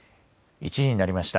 １時になりました。